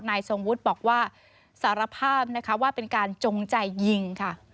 ทรงวุฒิบอกว่าสารภาพนะคะว่าเป็นการจงใจยิงค่ะ